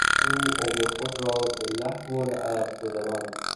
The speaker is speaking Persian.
او عمر خود را به لهوولعب گذراند.